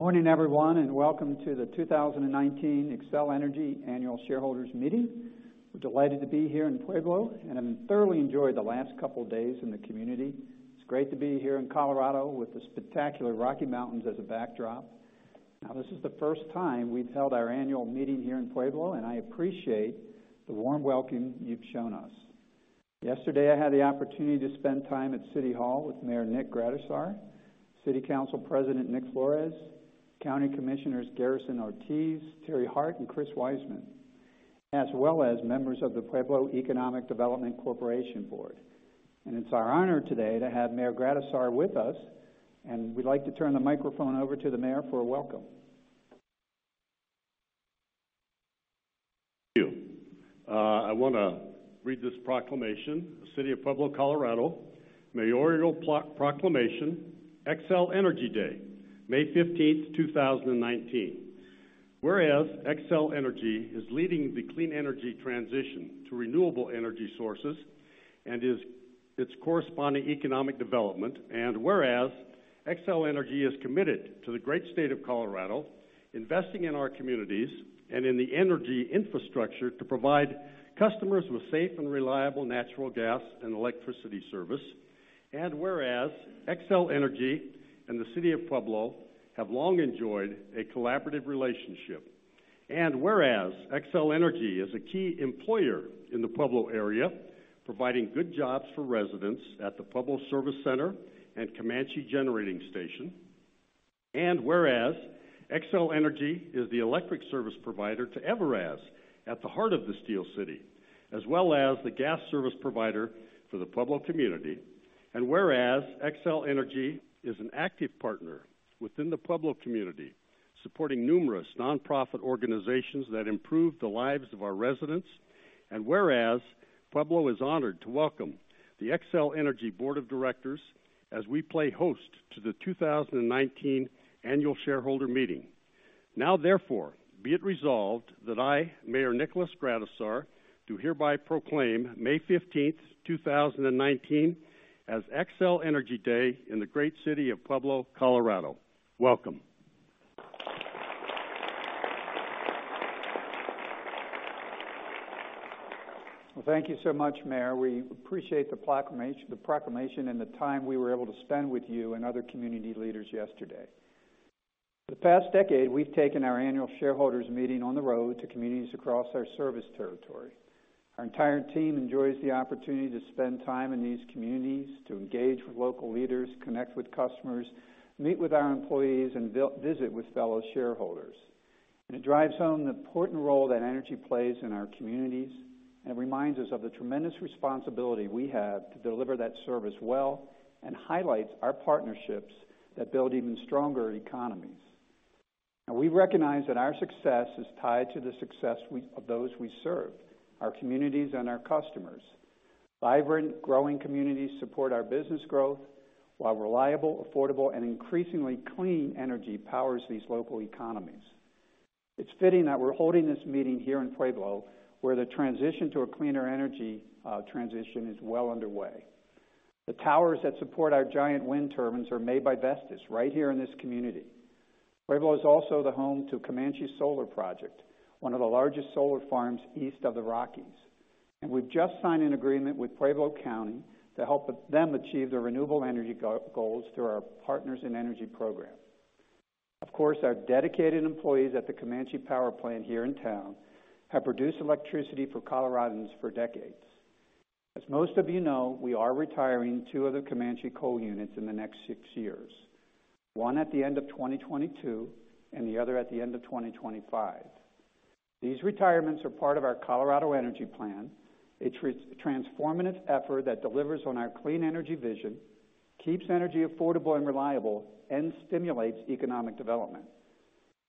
Morning, everyone, welcome to the 2019 Xcel Energy Annual Shareholders Meeting. We're delighted to be here in Pueblo, and have thoroughly enjoyed the last couple of days in the community. It's great to be here in Colorado with the spectacular Rocky Mountains as a backdrop. This is the first time we've held our annual meeting here in Pueblo, and I appreciate the warm welcome you've shown us. Yesterday, I had the opportunity to spend time at City Hall with Mayor Nick Gradisar, City Council President Nick Flores, County Commissioners Garrison Ortiz, Terry Hart, and Chris Wiseman, as well as members of the Pueblo Economic Development Corporation board. It's our honor today to have Mayor Gradisar with us, and we'd like to turn the microphone over to the mayor for a welcome. Thank you. I want to read this proclamation. The City of Pueblo, Colorado Mayoral Proclamation, Xcel Energy Day, May 15th, 2019. Whereas Xcel Energy is leading the clean energy transition to renewable energy sources and its corresponding economic development. Whereas Xcel Energy is committed to the great State of Colorado, investing in our communities and in the energy infrastructure to provide customers with safe and reliable natural gas and electricity service. Whereas Xcel Energy and the City of Pueblo have long enjoyed a collaborative relationship. Whereas Xcel Energy is a key employer in the Pueblo area, providing good jobs for residents at the Pueblo Service Center and Comanche Generating Station. Whereas Xcel Energy is the electric service provider to Evraz at the heart of the Steel City, as well as the gas service provider for the Pueblo community. Whereas Xcel Energy is an active partner within the Pueblo community, supporting numerous nonprofit organizations that improve the lives of our residents. Whereas Pueblo is honored to welcome the Xcel Energy Board of Directors as we play host to the 2019 Annual Shareholder Meeting. Therefore, be it resolved that I, Mayor Nick Gradisar, do hereby proclaim May 15th, 2019 as Xcel Energy Day in the great city of Pueblo, Colorado. Welcome. Well, thank you so much, Mayor. We appreciate the proclamation and the time we were able to spend with you and other community leaders yesterday. For the past decade, we've taken our annual shareholders meeting on the road to communities across our service territory. Our entire team enjoys the opportunity to spend time in these communities, to engage with local leaders, connect with customers, meet with our employees, and visit with fellow shareholders. It drives home the important role that energy plays in our communities and reminds us of the tremendous responsibility we have to deliver that service well and highlights our partnerships that build even stronger economies. We recognize that our success is tied to the success of those we serve, our communities, and our customers. Vibrant, growing communities support our business growth, while reliable, affordable, and increasingly clean energy powers these local economies. It's fitting that we're holding this meeting here in Pueblo where the transition to a cleaner energy transition is well underway. The towers that support our giant wind turbines are made by Vestas right here in this community. Pueblo is also the home to Comanche Solar Project, one of the largest solar farms east of the Rockies, and we've just signed an agreement with Pueblo County to help them achieve their renewable energy goals through our Partners in Energy program. Of course, our dedicated employees at the Comanche Power Plant here in town have produced electricity for Coloradans for decades. As most of you know, we are retiring two of the Comanche coal units in the next six years, one at the end of 2022 and the other at the end of 2025. These retirements are part of our Colorado Energy Plan, a transformative effort that delivers on our clean energy vision, keeps energy affordable and reliable, and stimulates economic development.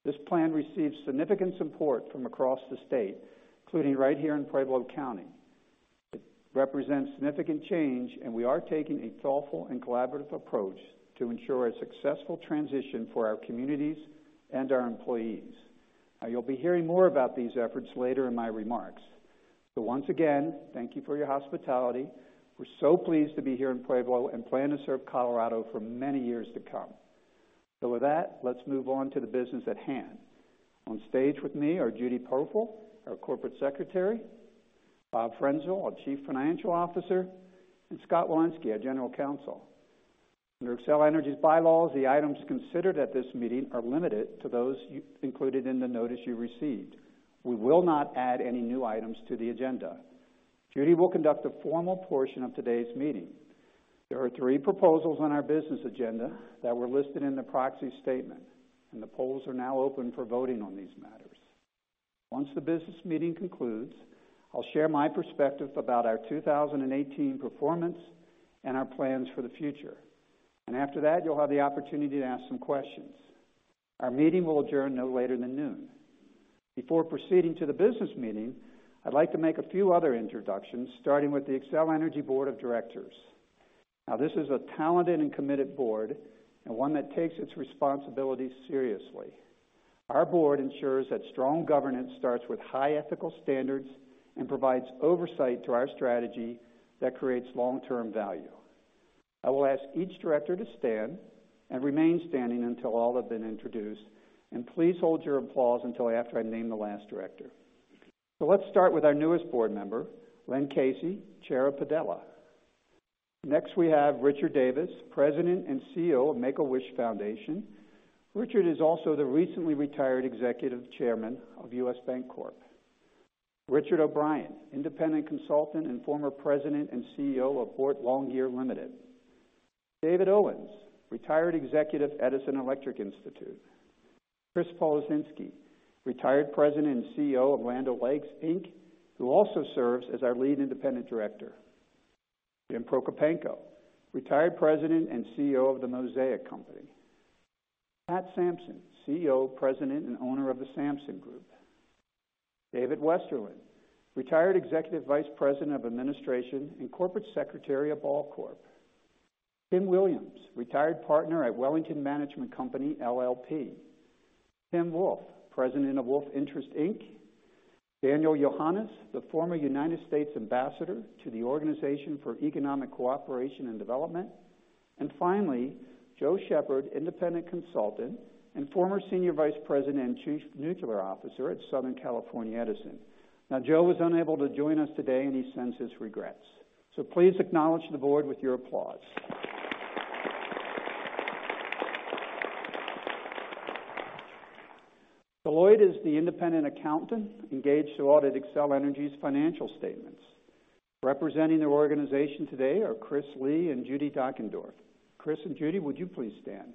This plan receives significant support from across the state, including right here in Pueblo County. It represents significant change. We are taking a thoughtful and collaborative approach to ensure a successful transition for our communities and our employees. You'll be hearing more about these efforts later in my remarks. Once again, thank you for your hospitality. We're so pleased to be here in Pueblo and plan to serve Colorado for many years to come. With that, let's move on to the business at hand. On stage with me are Judy Pofahl, our Corporate Secretary, Bob Frenzel, our Chief Financial Officer, and Scott Wilensky, our General Counsel. Under Xcel Energy's bylaws, the items considered at this meeting are limited to those included in the notice you received. We will not add any new items to the agenda. Judy will conduct the formal portion of today's meeting. There are three proposals on our business agenda that were listed in the proxy statement. The polls are now open for voting on these matters. Once the business meeting concludes, I'll share my perspective about our 2018 performance and our plans for the future. After that, you'll have the opportunity to ask some questions. Our meeting will adjourn no later than noon. Before proceeding to the business meeting, I'd like to make a few other introductions, starting with the Xcel Energy Board of Directors. This is a talented and committed board and one that takes its responsibilities seriously. Our board ensures that strong governance starts with high ethical standards and provides oversight to our strategy that creates long-term value. I will ask each director to stand and remain standing until all have been introduced. Please hold your applause until after I name the last director. Let's start with our newest board member, Lynn Casey, Chair of Padilla. Next we have Richard Davis, President and CEO of Make-A-Wish Foundation. Richard is also the recently retired Executive Chairman of U.S. Bancorp. Richard O'Brien, independent consultant and former President and CEO of Boart Longyear Limited. David Owens, retired executive, Edison Electric Institute. Chris Policinski, retired President and CEO of Land O'Lakes, Inc., who also serves as our Lead Independent Director. Jim Prokopanko, retired President and CEO of The Mosaic Company. Pat Samson, CEO, President and owner of The Samson Group. David Westerlund, retired Executive Vice President of Administration and Corporate Secretary of Ball Corp. Tim Wolf, retired partner at Wellington Management Company, LLP. Tim Wolf, President of Wolf Interests, Inc. Daniel Yohannes, the former U.S. Ambassador to the Organization for Economic Cooperation and Development. Joe Shepherd, independent consultant and former Senior Vice President and Chief Nuclear Officer at Southern California Edison. Joe was unable to join us today, and he sends his regrets. Please acknowledge the board with your applause. Deloitte is the independent accountant engaged to audit Xcel Energy's financial statements. Representing their organization today are Chris Lee and Judy Dockendorf. Chris and Judy, would you please stand?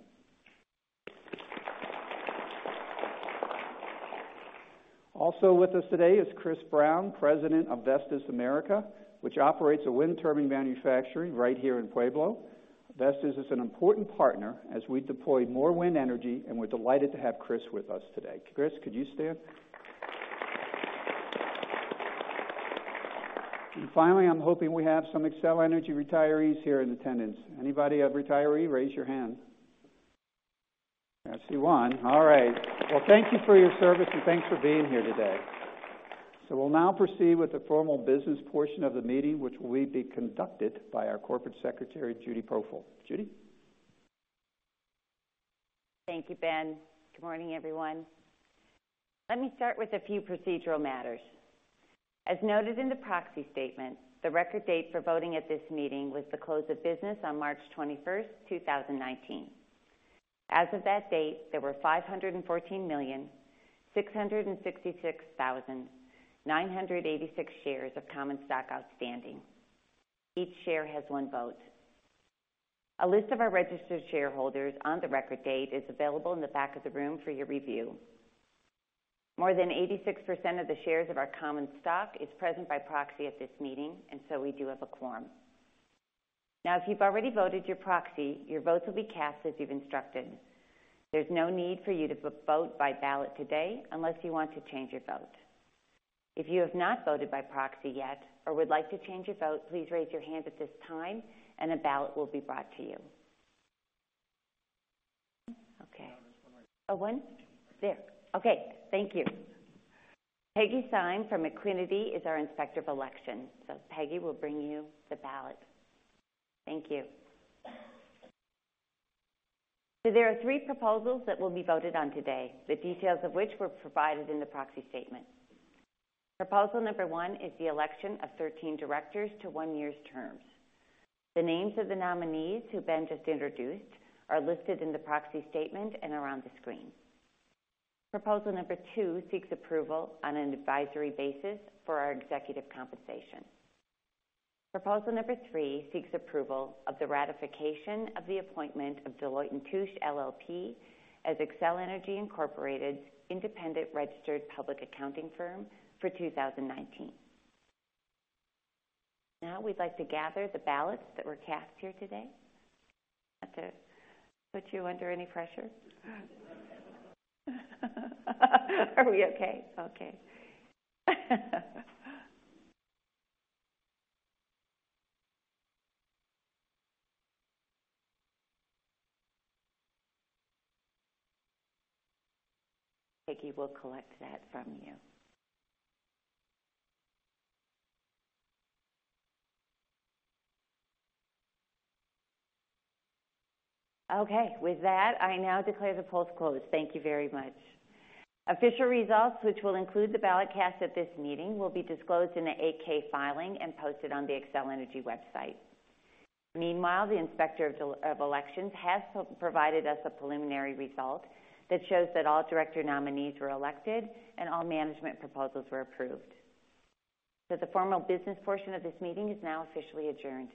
Also with us today is Chris Brown, President of Vestas Americas, which operates a wind turbine manufacturing right here in Pueblo. Vestas is an important partner as we deploy more wind energy, we're delighted to have Chris with us today. Chris, could you stand? I'm hoping we have some Xcel Energy retirees here in attendance. Anybody a retiree, raise your hand. I see one. Thank you for your service and thanks for being here today. We'll now proceed with the formal business portion of the meeting, which will be conducted by our corporate secretary, Judy Pofahl. Judy? Thank you, Ben. Good morning, everyone. Let me start with a few procedural matters. As noted in the proxy statement, the record date for voting at this meeting was the close of business on March 21st, 2019. As of that date, there were 514,666,986 shares of common stock outstanding. Each share has one vote. A list of our registered shareholders on the record date is available in the back of the room for your review. More than 86% of the shares of our common stock is present by proxy at this meeting, we do have a quorum. If you've already voted your proxy, your votes will be cast as you've instructed. There's no need for you to vote by ballot today unless you want to change your vote. If you have not voted by proxy yet or would like to change your vote, please raise your hand at this time and a ballot will be brought to you. There's one right here. Oh, one? There. Okay, thank you. Peggy Saine from McQuinnity is our Inspector of Election. Peggy will bring you the ballot. Thank you. There are three proposals that will be voted on today, the details of which were provided in the proxy statement. Proposal number one is the election of 13 directors to one year's terms. The names of the nominees who Ben just introduced are listed in the proxy statement and are on the screen. Proposal number two seeks approval on an advisory basis for our executive compensation. Proposal number three seeks approval of the ratification of the appointment of Deloitte & Touche LLP as Xcel Energy Inc.'s independent registered public accounting firm for 2019. Now, we'd like to gather the ballots that were cast here today. Not to put you under any pressure. Are we okay? Okay. Peggy will collect that from you. Okay. With that, I now declare the polls closed. Thank you very much. Official results, which will include the ballot cast at this meeting, will be disclosed in an 8-K filing and posted on the Xcel Energy website. Meanwhile, the Inspector of Elections has provided us a preliminary result that shows that all director nominees were elected and all management proposals were approved. The formal business portion of this meeting is now officially adjourned.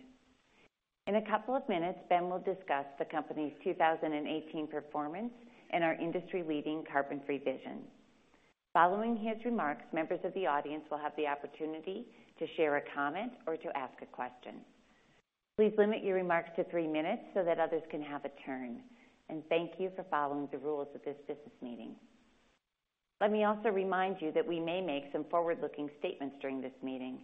In a couple of minutes, Ben will discuss the company's 2018 performance and our industry-leading carbon-free vision. Following his remarks, members of the audience will have the opportunity to share a comment or to ask a question. Please limit your remarks to three minutes so that others can have a turn. Thank you for following the rules of this business meeting. Let me also remind you that we may make some forward-looking statements during this meeting.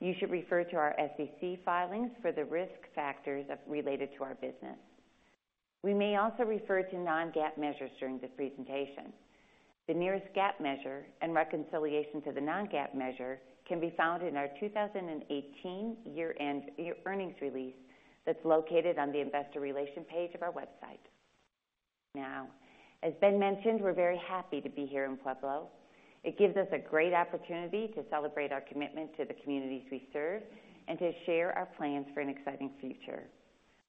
You should refer to our SEC filings for the risk factors related to our business. We may also refer to non-GAAP measures during this presentation. The nearest GAAP measure and reconciliation to the non-GAAP measure can be found in our 2018 year-end earnings release that's located on the investor relation page of our website. As Ben mentioned, we're very happy to be here in Pueblo. It gives us a great opportunity to celebrate our commitment to the communities we serve and to share our plans for an exciting future.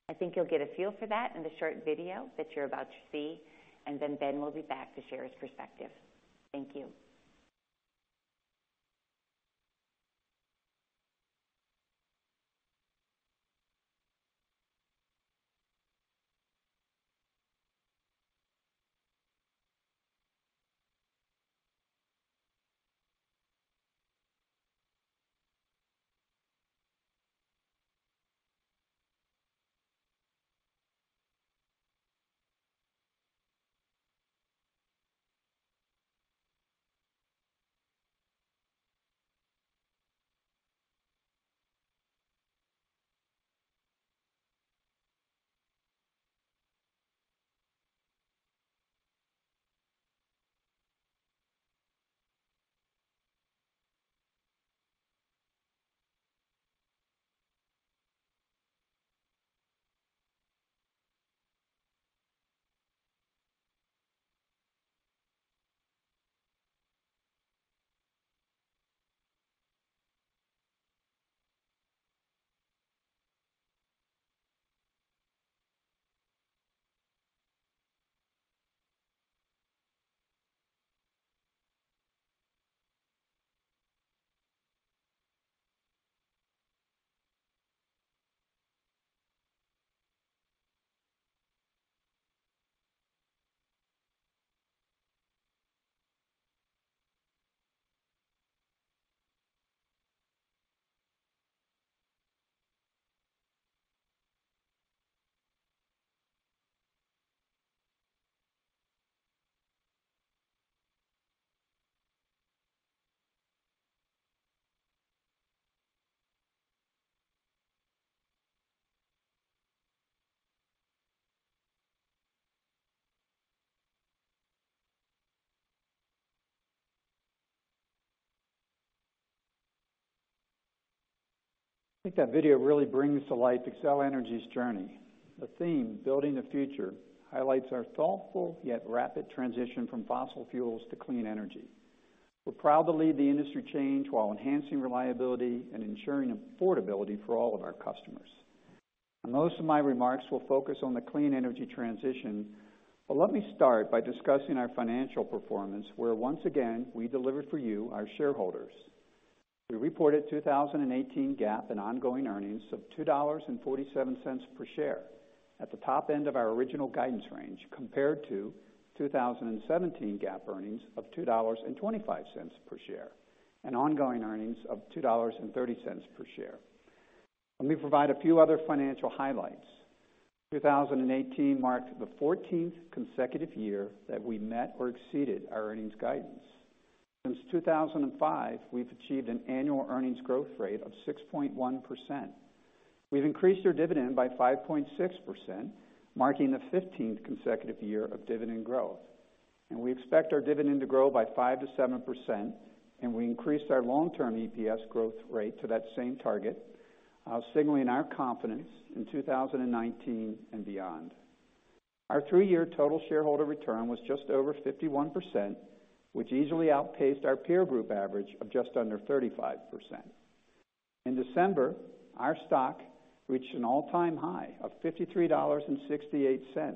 I think you'll get a feel for that in the short video that you're about to see. Ben will be back to share his perspective. Thank you. I think that video really brings to light Xcel Energy's journey. The theme, Building the Future, highlights our thoughtful yet rapid transition from fossil fuels to clean energy. We're proud to lead the industry change while enhancing reliability and ensuring affordability for all of our customers. Most of my remarks will focus on the clean energy transition, but let me start by discussing our financial performance where, once again, we delivered for you, our shareholders. We reported 2018 GAAP and ongoing earnings of $2.47 per share at the top end of our original guidance range, compared to 2017 GAAP earnings of $2.25 per share and ongoing earnings of $2.30 per share. Let me provide a few other financial highlights. 2018 marked the 14th consecutive year that we met or exceeded our earnings guidance. Since 2005, we've achieved an annual earnings growth rate of 6.1%. We've increased our dividend by 5.6%, marking the 15th consecutive year of dividend growth, and we expect our dividend to grow by 5%-7%, and we increased our long-term EPS growth rate to that same target, signaling our confidence in 2019 and beyond. Our three-year total shareholder return was just over 51%, which easily outpaced our peer group average of just under 35%. In December, our stock reached an all-time high of $53.68,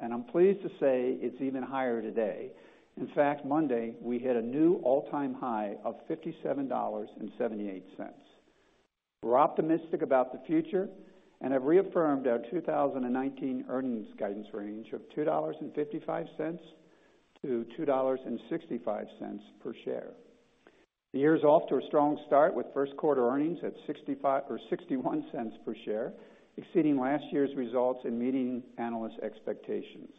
and I'm pleased to say it's even higher today. In fact, Monday, we hit a new all-time high of $57.78. We're optimistic about the future and have reaffirmed our 2019 earnings guidance range of $2.55-$2.65 per share. The year is off to a strong start with first quarter earnings at $0.61 per share, exceeding last year's results and meeting analyst expectations.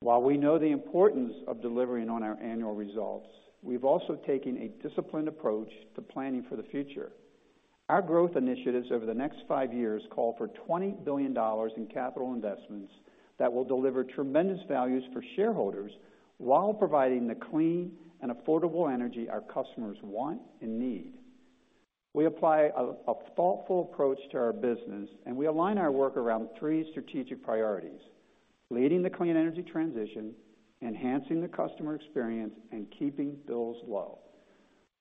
While we know the importance of delivering on our annual results, we've also taken a disciplined approach to planning for the future. Our growth initiatives over the next five years call for $20 billion in capital investments that will deliver tremendous values for shareholders while providing the clean and affordable energy our customers want and need. We apply a thoughtful approach to our business, and we align our work around three strategic priorities: leading the clean energy transition, enhancing the customer experience, and keeping bills low.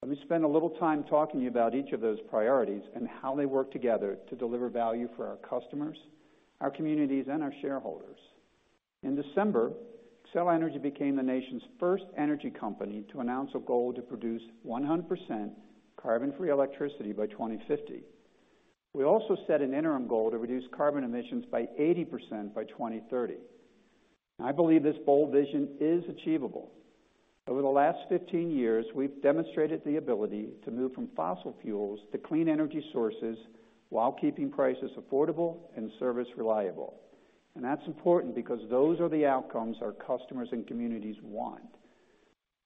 Let me spend a little time talking to you about each of those priorities and how they work together to deliver value for our customers, our communities, and our shareholders. In December, Xcel Energy became the nation's first energy company to announce a goal to produce 100% carbon-free electricity by 2050. We also set an interim goal to reduce carbon emissions by 80% by 2030. I believe this bold vision is achievable. Over the last 15 years, we've demonstrated the ability to move from fossil fuels to clean energy sources while keeping prices affordable and service reliable. That's important because those are the outcomes our customers and communities want.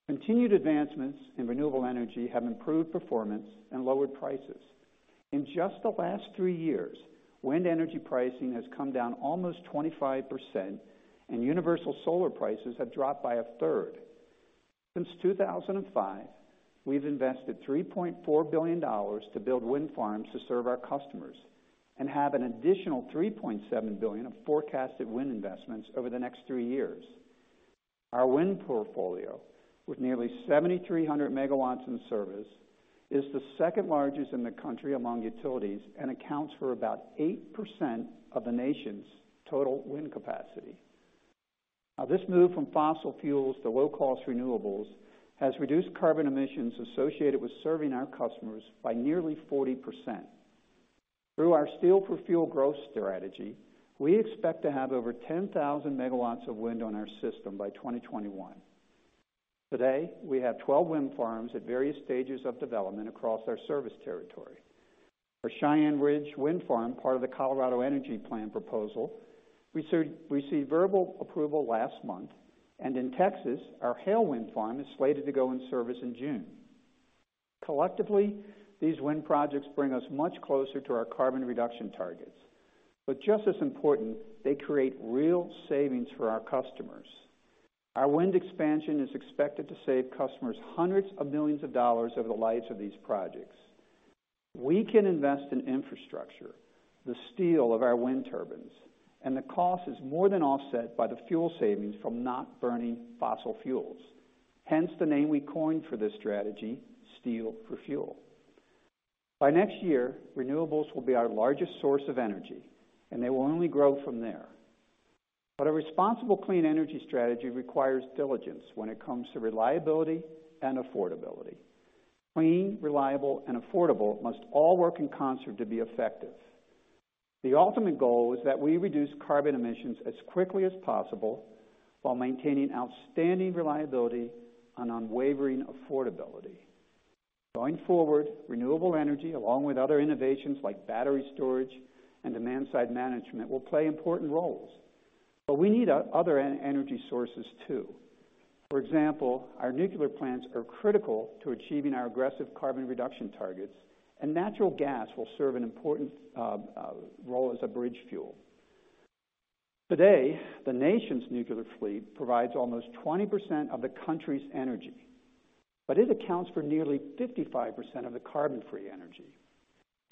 Continued advancements in renewable energy have improved performance and lowered prices. In just the last three years, wind energy pricing has come down almost 25%, and universal solar prices have dropped by a third. Since 2005, we've invested $3.4 billion to build wind farms to serve our customers and have an additional $3.7 billion of forecasted wind investments over the next three years. Our wind portfolio, with nearly 7,300 megawatts in service, is the second largest in the country among utilities and accounts for about 8% of the nation's total wind capacity. This move from fossil fuels to low-cost renewables has reduced carbon emissions associated with serving our customers by nearly 40%. Through our Steel for Fuel growth strategy, we expect to have over 10,000 megawatts of wind on our system by 2021. Today, we have 12 wind farms at various stages of development across our service territory. Our Cheyenne Ridge Wind Farm, part of the Colorado Energy Plan proposal, received verbal approval last month, and in Texas, our Hale Wind Farm is slated to go in service in June. Collectively, these wind projects bring us much closer to our carbon reduction targets. Just as important, they create real savings for our customers. Our wind expansion is expected to save customers $ hundreds of millions over the lives of these projects. We can invest in infrastructure, the steel of our wind turbines, the cost is more than offset by the fuel savings from not burning fossil fuels. Hence the name we coined for this strategy, Steel for Fuel. By next year, renewables will be our largest source of energy, and they will only grow from there. A responsible clean energy strategy requires diligence when it comes to reliability and affordability. Clean, reliable, and affordable must all work in concert to be effective. The ultimate goal is that we reduce carbon emissions as quickly as possible while maintaining outstanding reliability and unwavering affordability. Going forward, renewable energy, along with other innovations like battery storage and demand-side management, will play important roles, we need other energy sources too. For example, our nuclear plants are critical to achieving our aggressive carbon reduction targets, natural gas will serve an important role as a bridge fuel. Today, the nation's nuclear fleet provides almost 20% of the country's energy, but it accounts for nearly 55% of the carbon-free energy.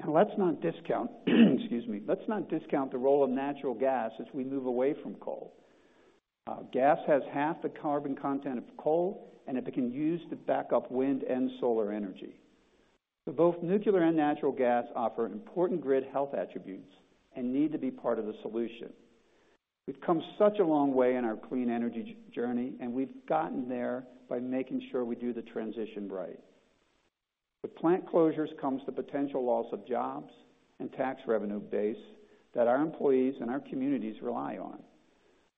Let's not discount the role of natural gas as we move away from coal. Gas has half the carbon content of coal, it can be used to back up wind and solar energy. Both nuclear and natural gas offer important grid health attributes and need to be part of the solution. We've come such a long way in our clean energy journey, we've gotten there by making sure we do the transition right. With plant closures comes the potential loss of jobs and tax revenue base that our employees and our communities rely on.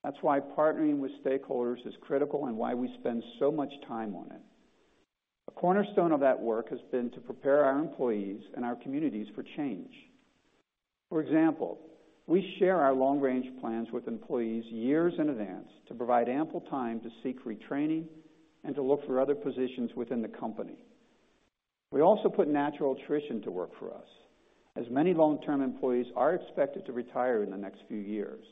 That's why partnering with stakeholders is critical and why we spend so much time on it. A cornerstone of that work has been to prepare our employees and our communities for change. For example, we share our long-range plans with employees years in advance to provide ample time to seek retraining and to look for other positions within the company. We also put natural attrition to work for us, as many long-term employees are expected to retire in the next few years.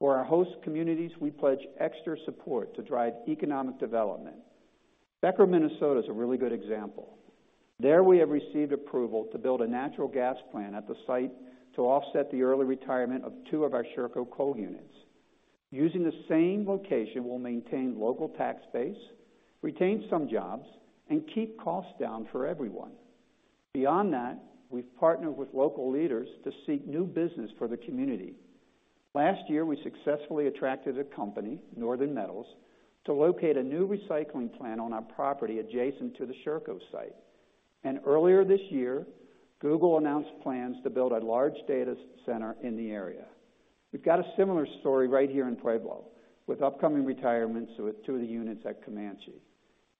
For our host communities, we pledge extra support to drive economic development. Becker, Minnesota is a really good example. There we have received approval to build a natural gas plant at the site to offset the early retirement of two of our Sherco coal units. Using the same location will maintain local tax base, retain some jobs, keep costs down for everyone. Beyond that, we've partnered with local leaders to seek new business for the community. Last year, we successfully attracted a company, Northern Metals, to locate a new recycling plant on our property adjacent to the Sherco site. Earlier this year, Google announced plans to build a large data center in the area. We've got a similar story right here in Pueblo with upcoming retirements with two of the units at Comanche.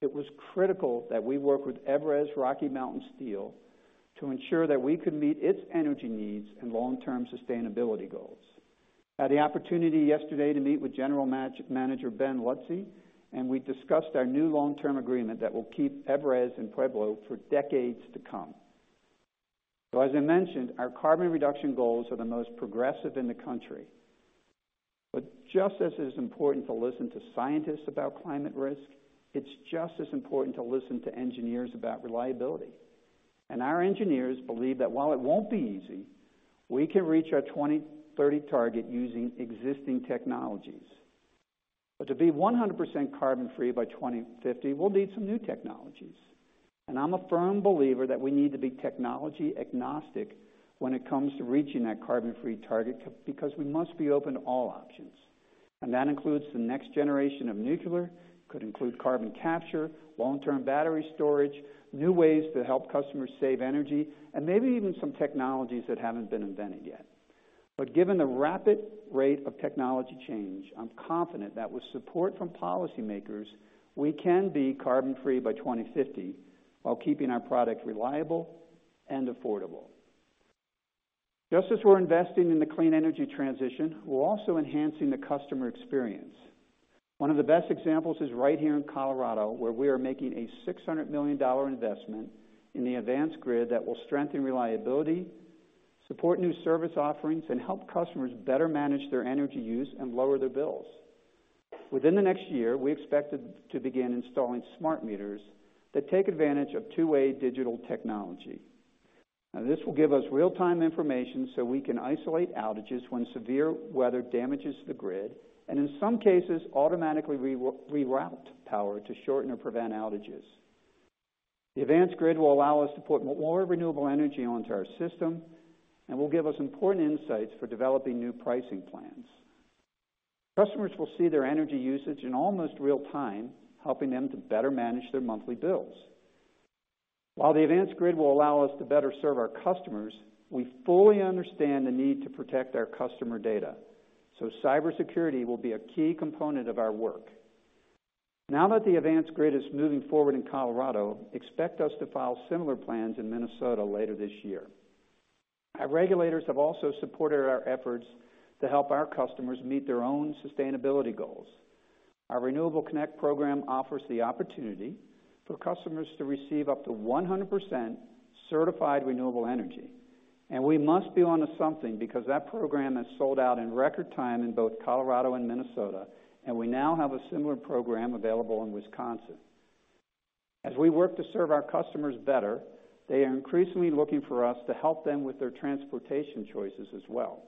It was critical that we work with Evraz Rocky Mountain Steel to ensure that we could meet its energy needs and long-term sustainability goals. Had the opportunity yesterday to meet with General Manager Ben Fowke, and we discussed our new long-term agreement that will keep Evraz in Pueblo for decades to come. As I mentioned, our carbon reduction goals are the most progressive in the country. Just as it is important to listen to scientists about climate risk, it's just as important to listen to engineers about reliability. Our engineers believe that while it won't be easy, we can reach our 2030 target using existing technologies. To be 100% carbon-free by 2050, we'll need some new technologies. I'm a firm believer that we need to be technology agnostic when it comes to reaching that carbon-free target because we must be open to all options. That includes the next generation of nuclear, could include carbon capture, long-term battery storage, new ways to help customers save energy, and maybe even some technologies that haven't been invented yet. Given the rapid rate of technology change, I'm confident that with support from policymakers, we can be carbon-free by 2050 while keeping our product reliable and affordable. Just as we're investing in the clean energy transition, we're also enhancing the customer experience. One of the best examples is right here in Colorado, where we are making a $600 million investment in the advanced grid that will strengthen reliability, support new service offerings, and help customers better manage their energy use and lower their bills. Within the next year, we expect to begin installing smart meters that take advantage of two-way digital technology. Now, this will give us real-time information so we can isolate outages when severe weather damages the grid, and in some cases, automatically reroute power to shorten or prevent outages. The advanced grid will allow us to put more renewable energy onto our system and will give us important insights for developing new pricing plans. Customers will see their energy usage in almost real time, helping them to better manage their monthly bills. While the advanced grid will allow us to better serve our customers, we fully understand the need to protect our customer data, cybersecurity will be a key component of our work. Now that the advanced grid is moving forward in Colorado, expect us to file similar plans in Minnesota later this year. Our regulators have also supported our efforts to help our customers meet their own sustainability goals. Our Renewable*Connect program offers the opportunity for customers to receive up to 100% certified renewable energy, we must be onto something because that program has sold out in record time in both Colorado and Minnesota, and we now have a similar program available in Wisconsin. As we work to serve our customers better, they are increasingly looking for us to help them with their transportation choices as well.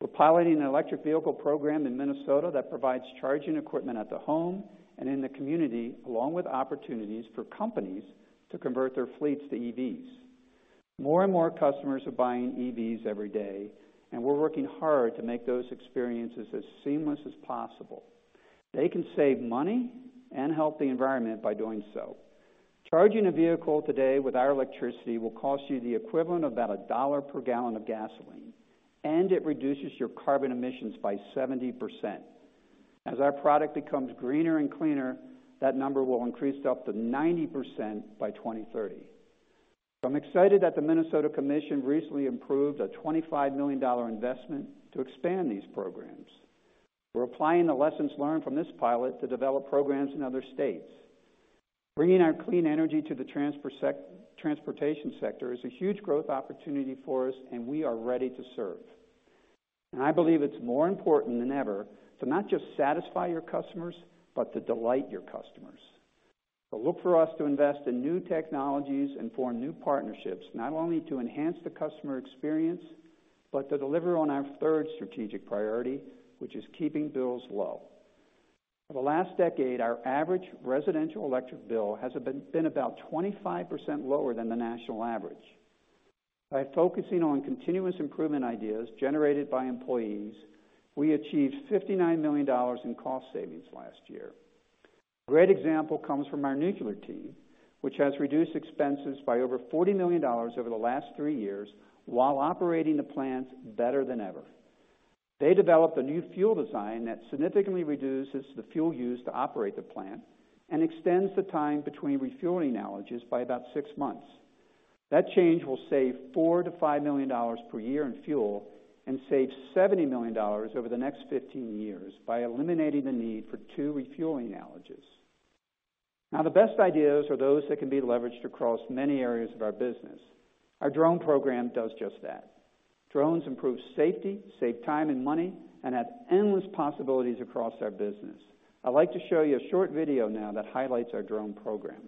We're piloting an electric vehicle program in Minnesota that provides charging equipment at the home and in the community, along with opportunities for companies to convert their fleets to EVs. More and more customers are buying EVs every day, and we're working hard to make those experiences as seamless as possible. They can save money and help the environment by doing so. Charging a vehicle today with our electricity will cost you the equivalent of about $1 per gallon of gasoline, and it reduces your carbon emissions by 70%. As our product becomes greener and cleaner, that number will increase to up to 90% by 2030. I'm excited that the Minnesota Commission recently improved a $25 million investment to expand these programs. We're applying the lessons learned from this pilot to develop programs in other states. Bringing our clean energy to the transportation sector is a huge growth opportunity for us, and we are ready to serve. I believe it's more important than ever to not just satisfy your customers, but to delight your customers. Look for us to invest in new technologies and form new partnerships, not only to enhance the customer experience, but to deliver on our third strategic priority, which is keeping bills low. For the last decade, our average residential electric bill has been about 25% lower than the national average. By focusing on continuous improvement ideas generated by employees, we achieved $59 million in cost savings last year. A great example comes from our nuclear team, which has reduced expenses by over $40 million over the last three years while operating the plants better than ever. They developed a new fuel design that significantly reduces the fuel used to operate the plant and extends the time between refueling outages by about six months. That change will save $4 million-$5 million per year in fuel and save $70 million over the next 15 years by eliminating the need for two refueling outages. The best ideas are those that can be leveraged across many areas of our business. Our drone program does just that. Drones improve safety, save time and money, and have endless possibilities across our business. I'd like to show you a short video now that highlights our drone program.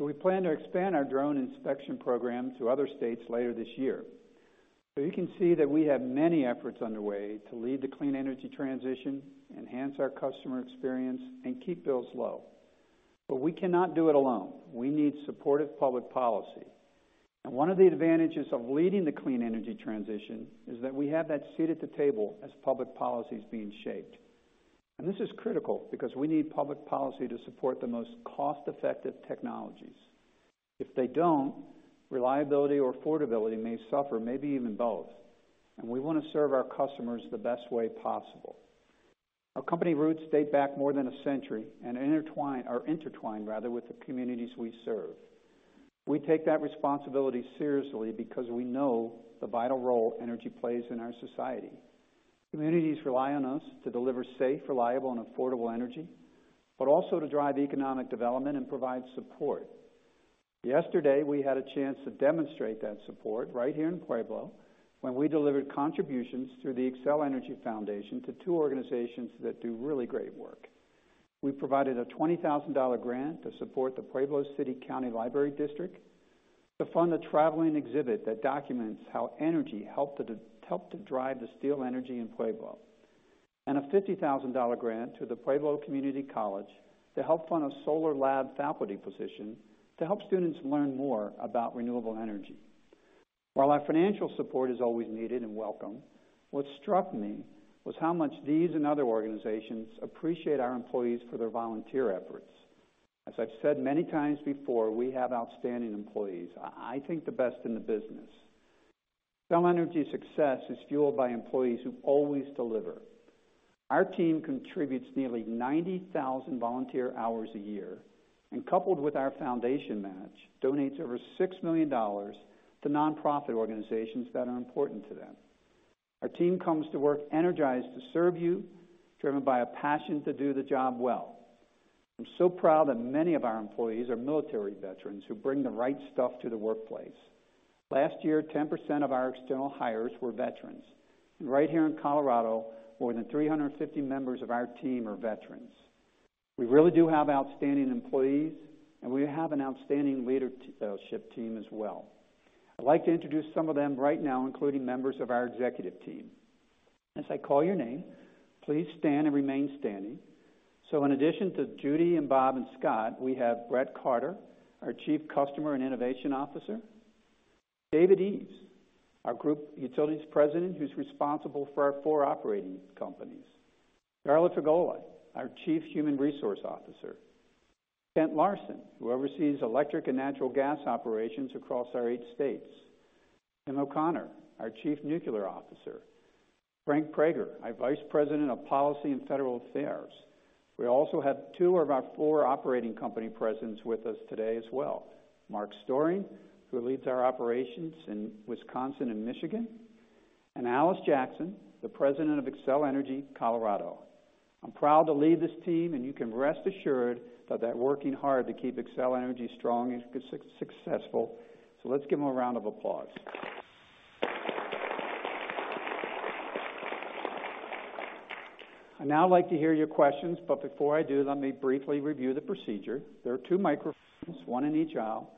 We plan to expand our drone inspection program to other states later this year. You can see that we have many efforts underway to lead the clean energy transition, enhance our customer experience, and keep bills low. We cannot do it alone. We need supportive public policy. One of the advantages of leading the clean energy transition is that we have that seat at the table as public policy is being shaped. This is critical, because we need public policy to support the most cost-effective technologies. If they don't, reliability or affordability may suffer, maybe even both, and we want to serve our customers the best way possible. Our company roots date back more than a century and are intertwined with the communities we serve. We take that responsibility seriously because we know the vital role energy plays in our society. Communities rely on us to deliver safe, reliable, and affordable energy, but also to drive economic development and provide support. Yesterday, we had a chance to demonstrate that support right here in Pueblo, when we delivered contributions through the Xcel Energy Foundation to two organizations that do really great work. We provided a $20,000 grant to support the Pueblo City-County Library District to fund a traveling exhibit that documents how energy helped to drive the steel energy in Pueblo, and a $50,000 grant to the Pueblo Community College to help fund a solar lab faculty position to help students learn more about renewable energy. While our financial support is always needed and welcome, what struck me was how much these and other organizations appreciate our employees for their volunteer efforts. As I've said many times before, we have outstanding employees, I think the best in the business. Xcel Energy's success is fueled by employees who always deliver. Our team contributes nearly 90,000 volunteer hours a year, and coupled with our foundation match, donates over $6 million to nonprofit organizations that are important to them. Our team comes to work energized to serve you, driven by a passion to do the job well. I'm so proud that many of our employees are military veterans who bring the right stuff to the workplace. Last year, 10% of our external hires were veterans, and right here in Colorado, more than 350 members of our team are veterans. We really do have outstanding employees, and we have an outstanding leadership team as well. I'd like to introduce some of them right now, including members of our executive team. As I call your name, please stand and remain standing. In addition to Judy and Bob and Scott, we have Brett Carter, our Chief Customer and Innovation Officer. David Eves, our Group Utilities President, who's responsible for our four operating companies. Darla Figoli, our Chief Human Resources Officer. Kent Larson, who oversees electric and natural gas operations across our eight states. Tim O'Connor, our Chief Nuclear Officer. Frank Prager, our Vice President of Policy and Federal Affairs. We also have two of our four Operating Company Presidents with us today as well. Mark Stoering, who leads our operations in Wisconsin and Michigan, and Alice Jackson, the President of Xcel Energy - Colorado. I'm proud to lead this team, and you can rest assured that they're working hard to keep Xcel Energy strong and successful. Let's give them a round of applause. I'd now like to hear your questions, but before I do, let me briefly review the procedure. There are two microphones, one in each aisle.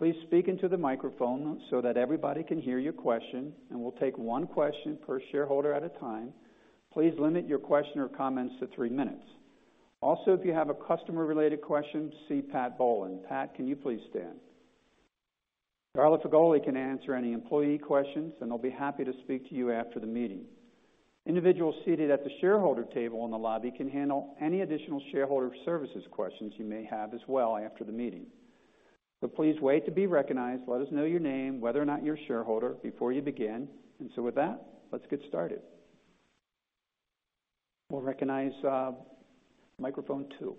Please speak into the microphone so that everybody can hear your question, and we'll take one question per shareholder at a time. Please limit your question or comments to three minutes. If you have a customer-related question, see Pat Bolan. Pat, can you please stand? Darla Figoli can answer any employee questions and will be happy to speak to you after the meeting. Individuals seated at the shareholder table in the lobby can handle any additional shareholder services questions you may have as well after the meeting. Please wait to be recognized. Let us know your name, whether or not you're a shareholder, before you begin. With that, let's get started. We'll recognize microphone two.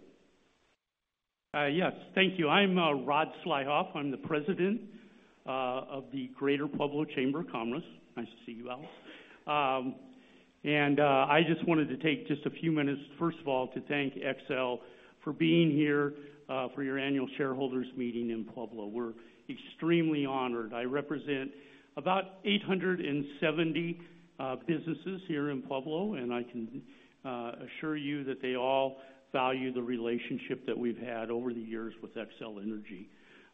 Thank you. I'm Rod Slyhoff. I'm the president of the Greater Pueblo Chamber of Commerce. Nice to see you, Alice. I just wanted to take just a few minutes, first of all, to thank Xcel for being here for your annual shareholders meeting in Pueblo. We're extremely honored. I represent about 870 businesses here in Pueblo, and I can assure you that they all value the relationship that we've had over the years with Xcel Energy.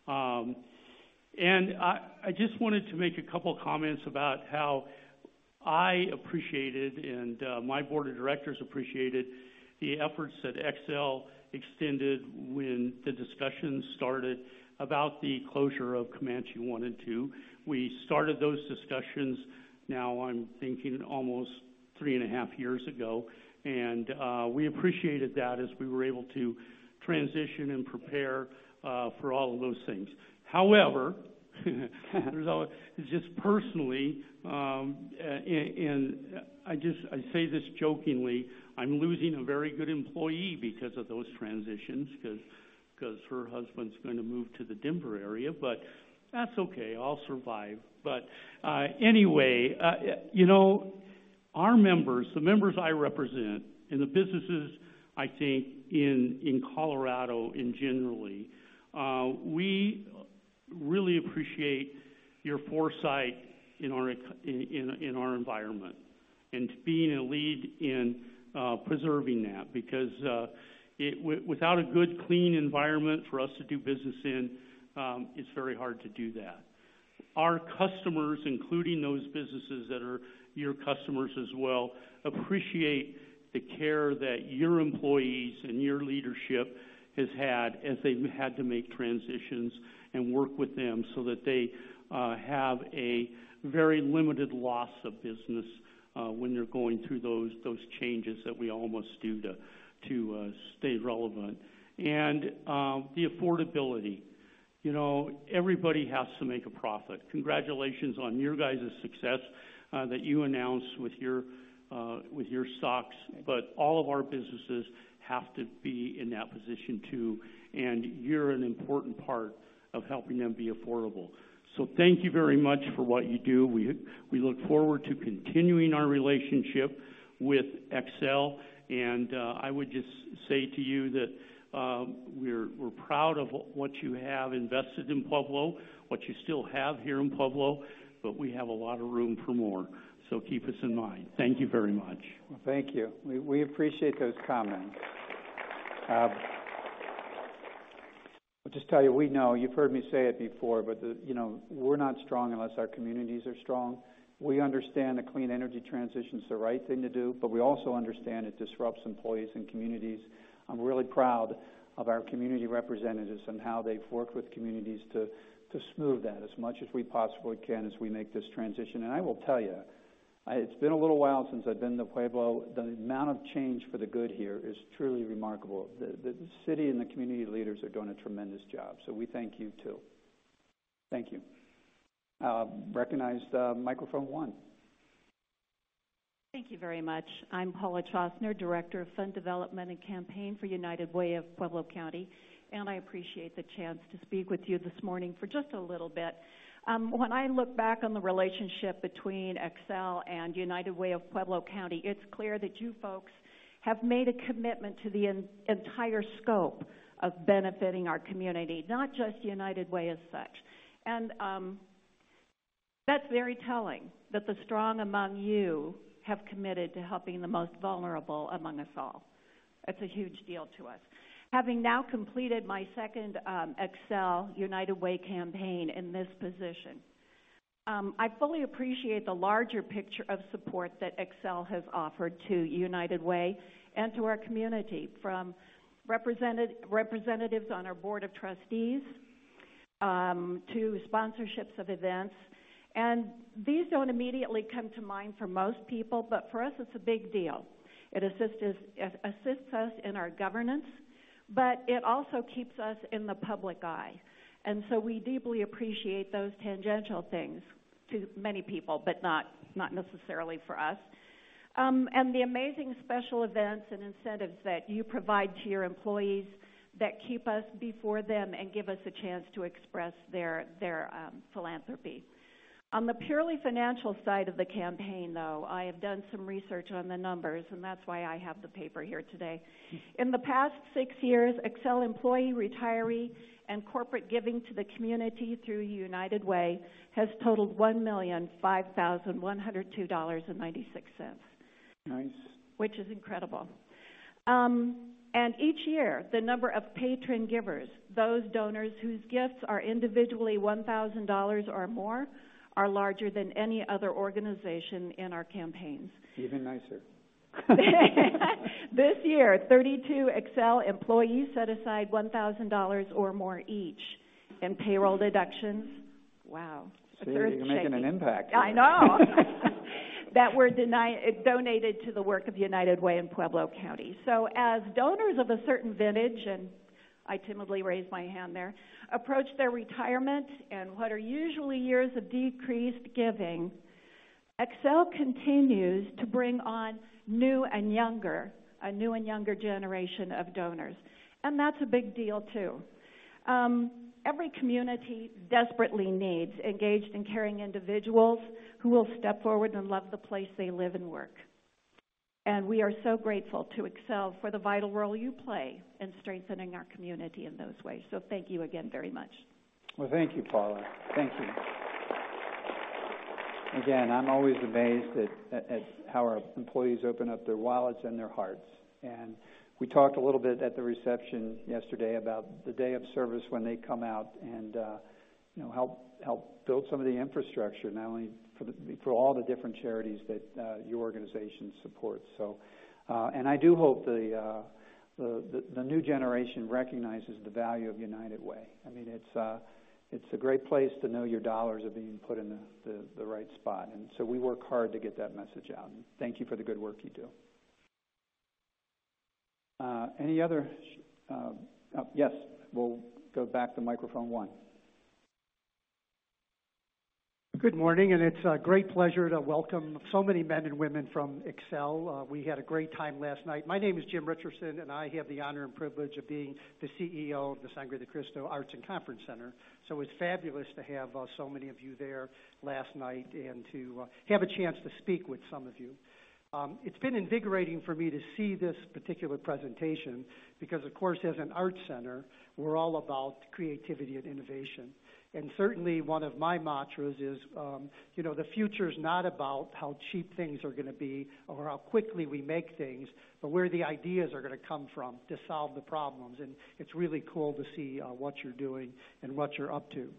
I just wanted to make a couple comments about how I appreciated, and my board of directors appreciated, the efforts that Xcel extended when the discussions started about the closure of Comanche 1 and 2. We started those discussions, now I'm thinking almost three and a half years ago. We appreciated that as we were able to transition and prepare for all of those things. Just personally, and I say this jokingly, I'm losing a very good employee because of those transitions, because her husband's going to move to the Denver area. That's okay. I'll survive. Anyway, our members, the members I represent, and the businesses, I think, in Colorado and generally, we really appreciate your foresight in our environment and being a lead in preserving that. Because without a good, clean environment for us to do business in, it's very hard to do that. Our customers, including those businesses that are your customers as well, appreciate the care that your employees and your leadership has had as they've had to make transitions and work with them so that they have a very limited loss of business when they're going through those changes that we almost do to stay relevant. The affordability. Everybody has to make a profit. Congratulations on your guys' success that you announced with your stocks, all of our businesses have to be in that position too, and you're an important part of helping them be affordable. Thank you very much for what you do. We look forward to continuing our relationship with Xcel, I would just say to you that we're proud of what you have invested in Pueblo, what you still have here in Pueblo, we have a lot of room for more. Keep us in mind. Thank you very much. Thank you. We appreciate those comments. I'll just tell you, we know, you've heard me say it before, we're not strong unless our communities are strong. We understand a clean energy transition's the right thing to do, we also understand it disrupts employees and communities. I'm really proud of our community representatives and how they've worked with communities to smooth that as much as we possibly can as we make this transition. I will tell you, it's been a little while since I've been to Pueblo. The amount of change for the good here is truly remarkable. The city and the community leaders are doing a tremendous job, we thank you too. Thank you. I'll recognize microphone one. Thank you very much. I'm Paula McPheeters, Director of Fund Development and Campaign for United Way of Pueblo County, I appreciate the chance to speak with you this morning for just a little bit. When I look back on the relationship between Xcel and United Way of Pueblo County, it's clear that you folks have made a commitment to the entire scope of benefiting our community, not just United Way as such. That's very telling that the strong among you have committed to helping the most vulnerable among us all. It's a huge deal to us. Having now completed my second Xcel United Way campaign in this position, I fully appreciate the larger picture of support that Xcel has offered to United Way and to our community, from representatives on our board of trustees, to sponsorships of events. These don't immediately come to mind for most people, but for us, it's a big deal. It assists us in our governance, but it also keeps us in the public eye. We deeply appreciate those tangential things to many people, but not necessarily for us. The amazing special events and incentives that you provide to your employees that keep us before them and give us a chance to express their philanthropy. On the purely financial side of the campaign, though, I have done some research on the numbers, that's why I have the paper here today. In the past six years, Xcel employee retiree and corporate giving to the community through United Way has totaled $1,005,102.96. Nice. Which is incredible. Each year, the number of patron givers, those donors whose gifts are individually $1,000 or more, are larger than any other organization in our campaigns. Even nicer. This year, 32 Xcel employees set aside $1,000 or more each in payroll deductions. Wow. I'm seriously shaking. See, you're making an impact. I know. Those were donated to the work of United Way of Pueblo County. As donors of a certain vintage, and I timidly raise my hand there, approach their retirement and what are usually years of decreased giving, Xcel continues to bring on a new and younger generation of donors. That's a big deal, too. Every community desperately needs engaged and caring individuals who will step forward and love the place they live and work. We are so grateful to Xcel for the vital role you play in strengthening our community in those ways. Thank you again very much. Well, thank you, Paula. Thank you. Again, I'm always amazed at how our employees open up their wallets and their hearts. We talked a little bit at the reception yesterday about the day of service when they come out and help build some of the infrastructure, not only for all the different charities that your organization supports. I do hope the new generation recognizes the value of United Way. It's a great place to know your dollars are being put in the right spot. We work hard to get that message out. Thank you for the good work you do. Yes. We'll go back to microphone one. Good morning, it's a great pleasure to welcome so many men and women from Xcel. We had a great time last night. My name is Jim Richardson, and I have the honor and privilege of being the CEO of the Sangre de Cristo Arts and Conference Center. It's fabulous to have so many of you there last night and to have a chance to speak with some of you. It's been invigorating for me to see this particular presentation because, of course, as an art center, we're all about creativity and innovation. Certainly, one of my mantras is the future's not about how cheap things are going to be or how quickly we make things, but where the ideas are going to come from to solve the problems. It's really cool to see what you're doing and what you're up to.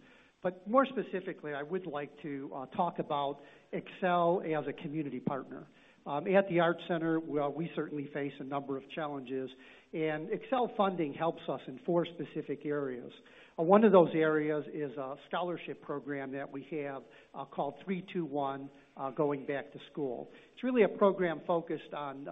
More specifically, I would like to talk about Xcel as a community partner. At the Arts Center, we certainly face a number of challenges, and Xcel funding helps us in four specific areas. One of those areas is a scholarship program that we have called 3-2-1 Going Back to School. It's really a program focused on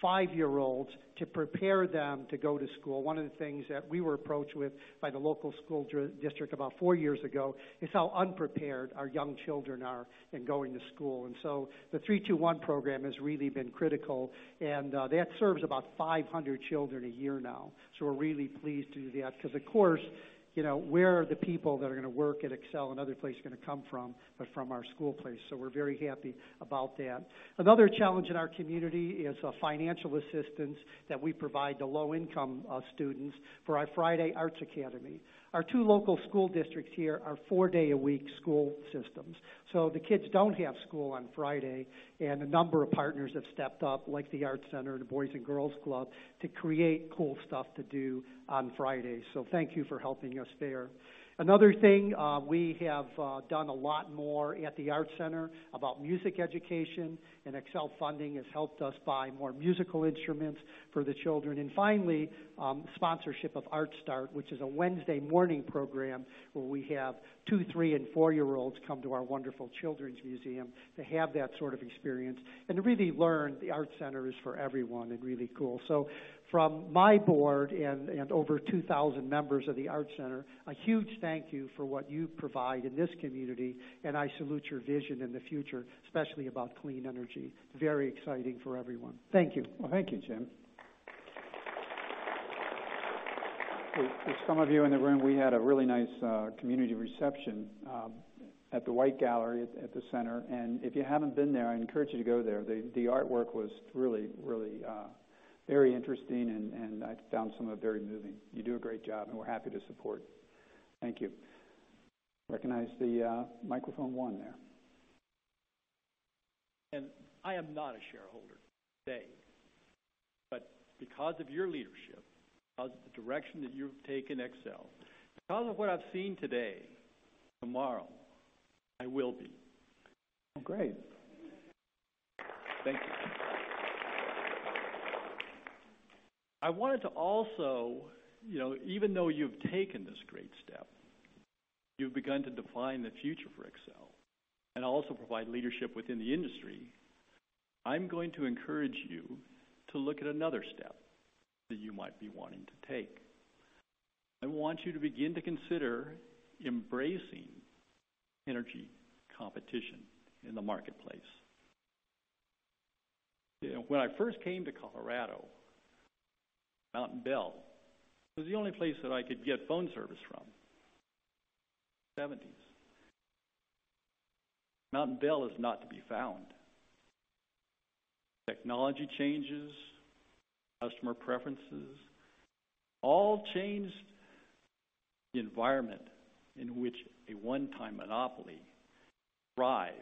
five-year-olds to prepare them to go to school. One of the things that we were approached with by the local school district about four years ago is how unprepared our young children are in going to school. The 3-2-1 program has really been critical, and that serves about 500 children a year now. We're really pleased to do that because, of course, where are the people that are going to work at Xcel and other places going to come from, but from our school place. We're very happy about that. Another challenge in our community is financial assistance that we provide to low-income students for our Friday Arts Academy. Our two local school districts here are four-day-a-week school systems, the kids don't have school on Friday, and a number of partners have stepped up, like the Arts Center and the Boys & Girls Club, to create cool stuff to do on Fridays. Thank you for helping us there. Another thing, we have done a lot more at the Arts Center about music education, and Xcel funding has helped us buy more musical instruments for the children. Finally, sponsorship of Art Start, which is a Wednesday morning program where we have two, three, and four-year-olds come to our wonderful children's museum to have that sort of experience and to really learn the Arts Center is for everyone and really cool. From my board and over 2,000 members of the Arts Center, a huge thank you for what you provide in this community, I salute your vision in the future, especially about clean energy. Very exciting for everyone. Thank you. Thank you, Jim. For some of you in the room, we had a really nice community reception at the White Gallery at the center. If you haven't been there, I encourage you to go there. The artwork was really very interesting, and I found some of it very moving. You do a great job, and we're happy to support. Thank you. Recognize the microphone one there. I am not a shareholder today, but because of your leadership, because of the direction that you've taken Xcel, because of what I've seen today, tomorrow, I will be. Great. Thank you. I wanted to also, even though you've taken this great step, you've begun to define the future for Xcel and also provide leadership within the industry. I'm going to encourage you to look at another step that you might be wanting to take. I want you to begin to consider embracing energy competition in the marketplace. When I first came to Colorado, Mountain Bell was the only place that I could get phone service from, 1970s. Mountain Bell is not to be found. Technology changes, customer preferences, all changed the environment in which a one-time monopoly thrived,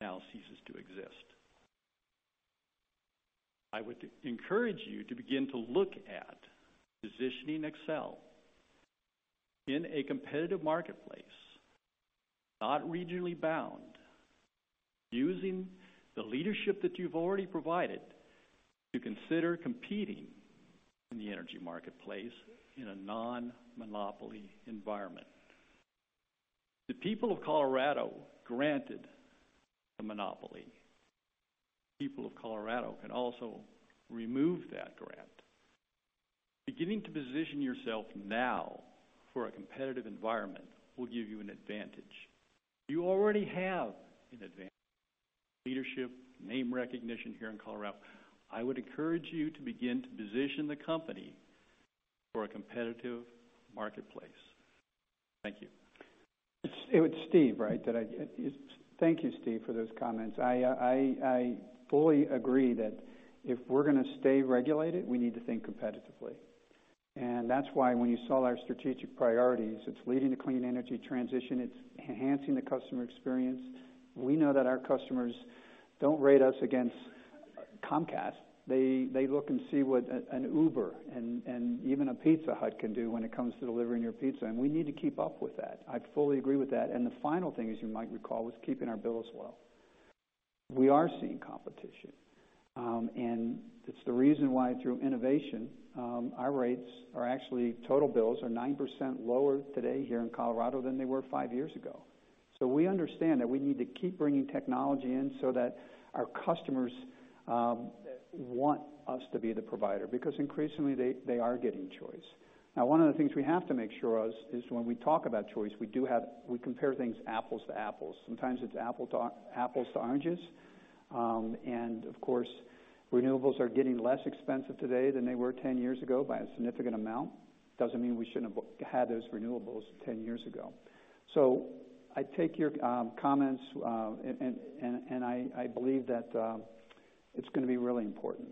now ceases to exist. I would encourage you to begin to look at positioning Xcel in a competitive marketplace, not regionally bound, using the leadership that you've already provided to consider competing in the energy marketplace in a non-monopoly environment. The people of Colorado granted a monopoly. The people of Colorado can also remove that grant. Beginning to position yourself now for a competitive environment will give you an advantage. You already have an advantage. Leadership, name recognition here in Colorado. I would encourage you to begin to position the company for a competitive marketplace. Thank you. It's Steve, right? Thank you, Steve, for those comments. I fully agree that if we're going to stay regulated, we need to think competitively. That's why when you saw our strategic priorities, it's leading to clean energy transition, it's enhancing the customer experience. We know that our customers don't rate us against Comcast. They look and see what an Uber and even a Pizza Hut can do when it comes to delivering your pizza, and we need to keep up with that. I fully agree with that. The final thing, as you might recall, was keeping our bills low. We are seeing competition. It's the reason why through innovation, our rates are actually total bills are 9% lower today here in Colorado than they were five years ago. We understand that we need to keep bringing technology in so that our customers want us to be the provider, because increasingly they are getting choice. Now, one of the things we have to make sure of is when we talk about choice, we compare things apples to apples. Sometimes it's apples to oranges. Of course, renewables are getting less expensive today than they were 10 years ago by a significant amount. Doesn't mean we shouldn't have had those renewables 10 years ago. I take your comments, and I believe that it's going to be really important.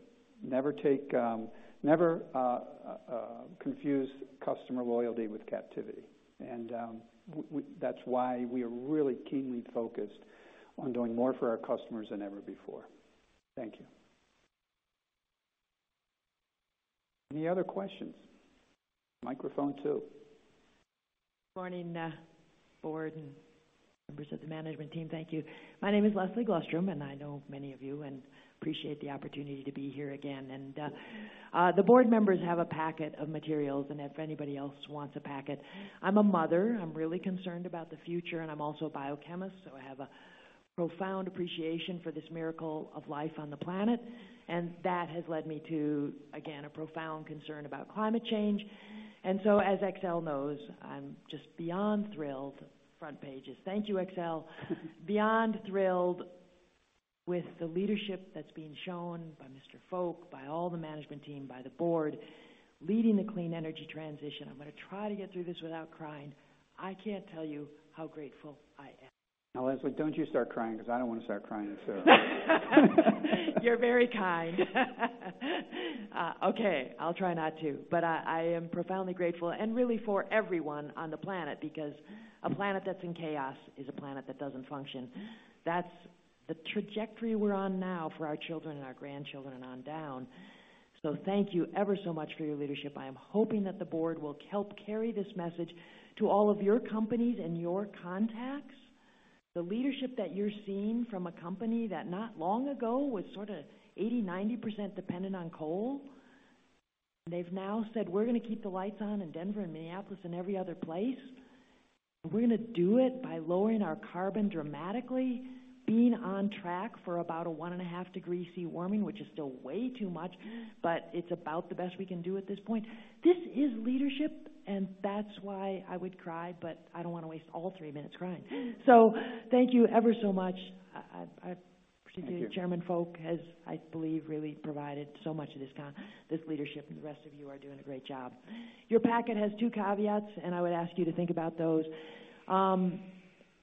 Never confuse customer loyalty with captivity, and that's why we are really keenly focused on doing more for our customers than ever before. Thank you. Any other questions? Microphone two. Morning, board and members of the management team. Thank you. My name is Leslie Glustrom, and I know many of you and appreciate the opportunity to be here again. The board members have a packet of materials, and if anybody else wants a packet. I'm a mother. I'm really concerned about the future, and I'm also a biochemist, so I have a profound appreciation for this miracle of life on the planet, and that has led me to, again, a profound concern about climate change. As Xcel knows, I'm just beyond thrilled, front pages. Thank you, Xcel. Beyond thrilled with the leadership that's being shown by Mr. Fowke, by all the management team, by the board, leading the clean energy transition. I'm going to try to get through this without crying. I can't tell you how grateful I am. Leslie, don't you start crying because I don't want to start crying. You're very kind. I'll try not to, I am profoundly grateful and really for everyone on the planet, because a planet that's in chaos is a planet that doesn't function. That's the trajectory we're on now for our children and our grandchildren and on down. Thank you ever so much for your leadership. I am hoping that the board will help carry this message to all of your companies and your contacts. The leadership that you're seeing from a company that not long ago was sort of 80, 90% dependent on coal, they've now said, "We're going to keep the lights on in Denver and Minneapolis and every other place. We're going to do it by lowering our carbon dramatically, being on track for about a one and a half degree C warming, which is still way too much, it's about the best we can do at this point." This is leadership, that's why I would cry, I don't want to waste all three minutes crying. Thank you ever so much. I appreciate it. Thank you. Chairman Fowke has, I believe, really provided so much of this leadership. The rest of you are doing a great job. Your packet has two caveats. I would ask you to think about those.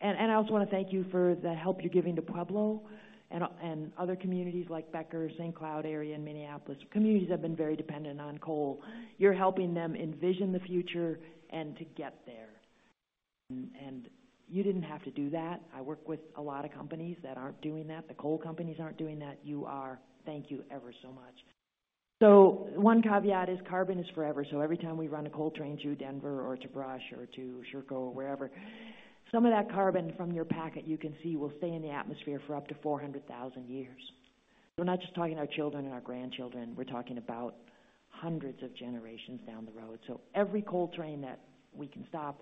I also want to thank you for the help you're giving to Pueblo and other communities like Becker, St. Cloud area, and Minneapolis. Communities that have been very dependent on coal. You're helping them envision the future and to get there. You didn't have to do that. I work with a lot of companies that aren't doing that. The coal companies aren't doing that. You are. Thank you ever so much. One caveat is carbon is forever. Every time we run a coal train through Denver or to Brush or to Sherco or wherever, some of that carbon from your packet you can see will stay in the atmosphere for up to 400,000 years. We're not just talking our children and our grandchildren. We're talking about hundreds of generations down the road. Every coal train that we can stop,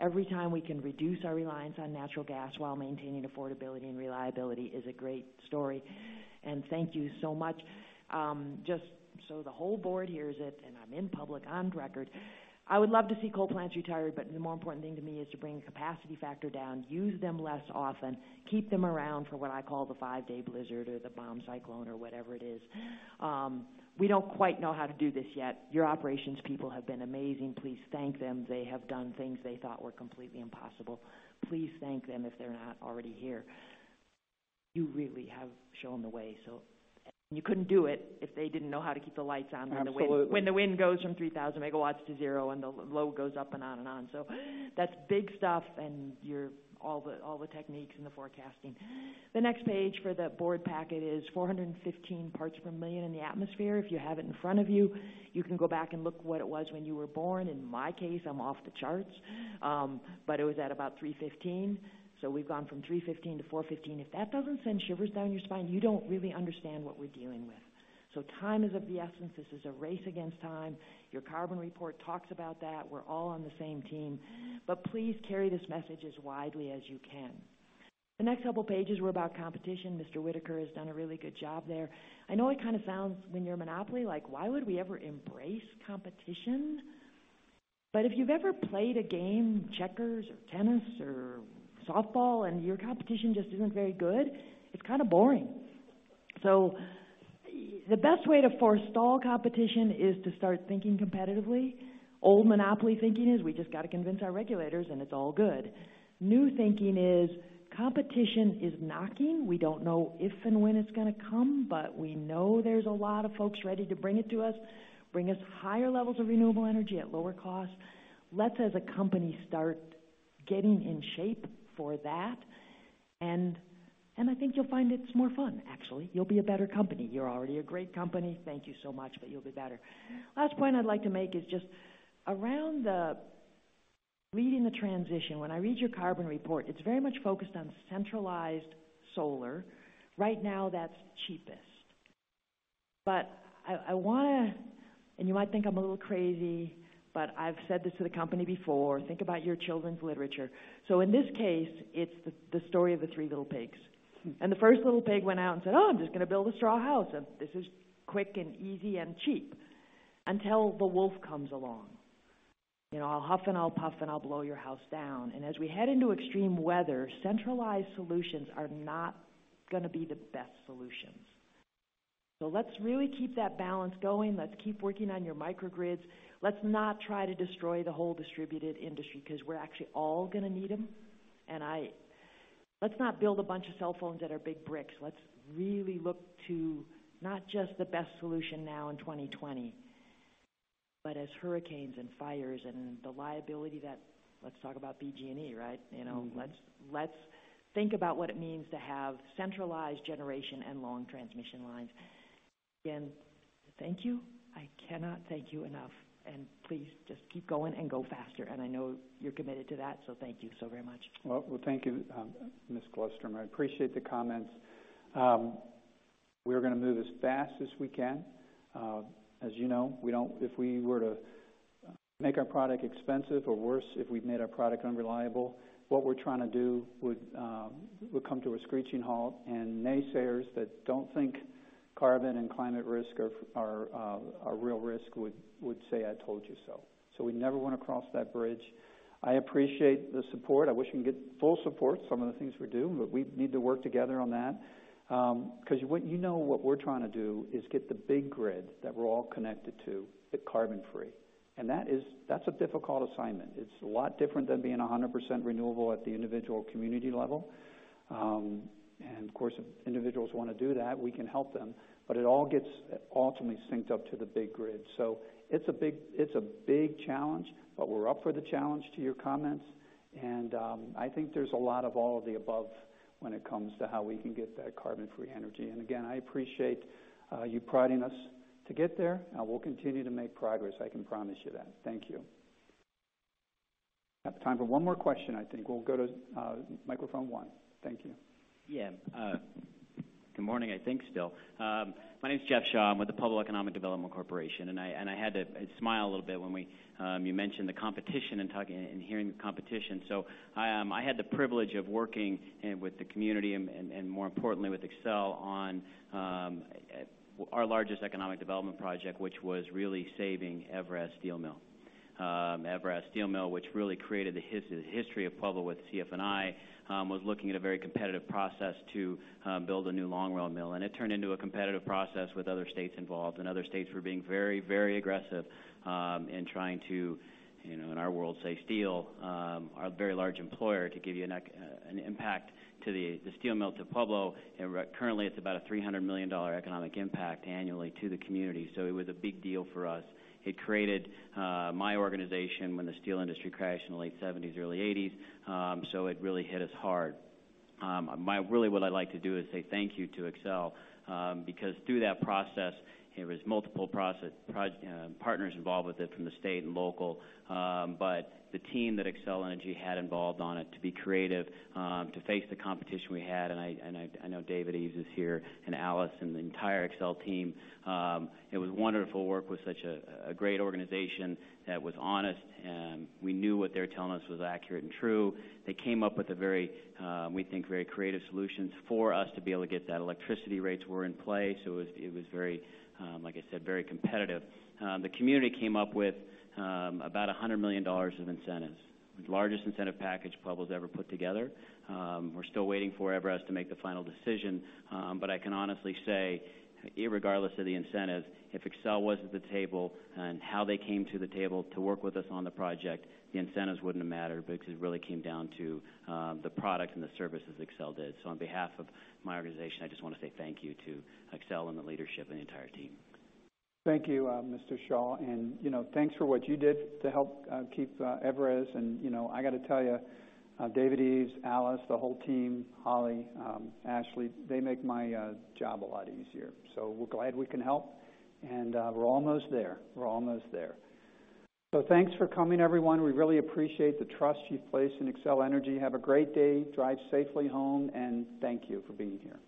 every time we can reduce our reliance on natural gas while maintaining affordability and reliability is a great story. Thank you so much. Just so the whole board hears it, and I'm in public on record, I would love to see coal plants retired, but the more important thing to me is to bring the capacity factor down, use them less often, keep them around for what I call the five-day blizzard or the bomb cyclone or whatever it is. We don't quite know how to do this yet. Your operations people have been amazing. Please thank them. They have done things they thought were completely impossible. Please thank them if they're not already here. You really have shown the way. You couldn't do it if they didn't know how to keep the lights on- Absolutely when the wind goes from 3,000 MW to zero and the load goes up and on and on. That's big stuff and all the techniques and the forecasting. The next page for the board packet is 415 parts per million in the atmosphere. If you have it in front of you can go back and look what it was when you were born. In my case, I'm off the charts. It was at about 315. We've gone from 315-415. If that doesn't send shivers down your spine, you don't really understand what we're dealing with. Time is of the essence. This is a race against time. Your carbon report talks about that. We're all on the same team. Please carry this message as widely as you can. The next couple pages were about competition. Mr. Whitaker has done a really good job there. I know it kind of sounds when you're a monopoly like, why would we ever embrace competition? If you've ever played a game, checkers or tennis or softball, and your competition just isn't very good, it's kind of boring. The best way to forestall competition is to start thinking competitively. Old monopoly thinking is we just got to convince our regulators, and it's all good. New thinking is competition is knocking. We don't know if and when it's going to come, but we know there's a lot of folks ready to bring it to us, bring us higher levels of renewable energy at lower cost. Let's, as a company, start getting in shape for that, and I think you'll find it's more fun, actually. You'll be a better company. You're already a great company, thank you so much, but you'll be better. Last point I'd like to make is just around the leading the transition. When I read your carbon report, it's very much focused on centralized solar. Right now, that's cheapest. I want to, and you might think I'm a little crazy, but I've said this to the company before, think about your children's literature. In this case, it's the story of the three little pigs. The first little pig went out and said, "Oh, I'm just going to build a straw house, and this is quick and easy and cheap," until the wolf comes along. "I'll huff and I'll puff and I'll blow your house down." As we head into extreme weather, centralized solutions are not going to be the best solutions. Let's really keep that balance going. Let's keep working on your microgrids. Let's not try to destroy the whole distributed industry because we're actually all going to need them. Let's not build a bunch of cell phones that are big bricks. Let's really look to not just the best solution now in 2020, but as hurricanes and fires and the liability. Let's talk about PG&E, right? Let's think about what it means to have centralized generation and long transmission lines. Again, thank you. I cannot thank you enough. Please just keep going and go faster. I know you're committed to that, thank you so very much. Well, thank you, Ms. Glustrom. I appreciate the comments. We're going to move as fast as we can. As you know, if we were to make our product expensive or worse, if we made our product unreliable, what we're trying to do would come to a screeching halt, and naysayers that don't think carbon and climate risk are a real risk would say, "I told you so." We never want to cross that bridge. I appreciate the support. I wish we can get full support, some of the things we're doing, but we need to work together on that. You know what we're trying to do is get the big grid that we're all connected to, get carbon-free. That's a difficult assignment. It's a lot different than being 100% renewable at the individual community level. Of course, if individuals want to do that, we can help them. It all gets ultimately synced up to the big grid. It's a big challenge, but we're up for the challenge to your comments. I think there's a lot of all of the above when it comes to how we can get that carbon-free energy. Again, I appreciate you prodding us to get there, and we'll continue to make progress, I can promise you that. Thank you. Have time for one more question, I think. We'll go to microphone one. Thank you. Good morning, I think still. My name's Jeff Shaw. I'm with the Pueblo Economic Development Corporation, I had to smile a little bit when you mentioned the competition and hearing the competition. I had the privilege of working with the community and more importantly with Xcel on our largest economic development project, which was really saving EVRAZ Steel Mill. EVRAZ Steel Mill, which really created the history of Pueblo with CF&I, was looking at a very competitive process to build a new long rod mill. It turned into a competitive process with other states involved, other states were being very, very aggressive in trying to, in our world, save steel, our very large employer, to give you an impact to the steel mills of Pueblo. Currently, it's about a $300 million economic impact annually to the community. It was a big deal for us. It created my organization when the steel industry crashed in the late '70s, early '80s. It really hit us hard. Really, what I'd like to do is say thank you to Xcel, through that process, there was multiple partners involved with it from the state and local. The team that Xcel Energy had involved on it to be creative, to face the competition we had, I know David Eves is here, Alice, and the entire Xcel team. It was wonderful work with such a great organization that was honest, we knew what they were telling us was accurate and true. They came up with a, we think, very creative solutions for us to be able to get that. Electricity rates were in play, it was, like I said, very competitive. The community came up with about $100 million of incentives, the largest incentive package Pueblo's ever put together. We're still waiting for Evraz to make the final decision. I can honestly say, irregardless of the incentives, if Xcel wasn't at the table and how they came to the table to work with us on the project, the incentives wouldn't have mattered because it really came down to the product and the services Xcel did. On behalf of my organization, I just want to say thank you to Xcel and the leadership and the entire team. Thank you, Mr. Shaw, and thanks for what you did to help keep Evraz. I got to tell you, David Eves, Alice, the whole team, Holly, Ashley, they make my job a lot easier. We're glad we can help, and we're almost there. We're almost there. Thanks for coming, everyone. We really appreciate the trust you've placed in Xcel Energy. Have a great day, drive safely home, and thank you for being here.